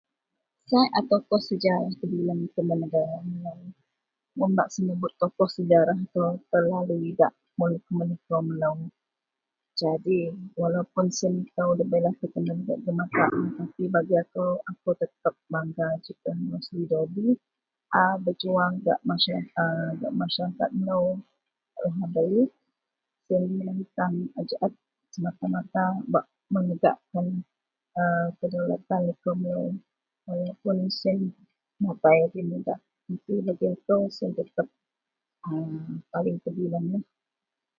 Sai a tokoh sejarah tebilang mun bak senebut tokoh telalu idak jadi walaupuon siyen ito debei sebagai akou akou tetep bangga Rosli Dobi a bejuwang gak masaraket melo lahabei siyen menentang a jaet semata mata bak menegak kedulatan liko melo aniek puon siyen matai agei mudak ajau ito tetep siyen paling terbilang.